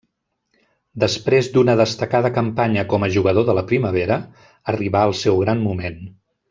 Després d'una destacada campanya com a jugador de la Primavera, arribà el seu gran moment.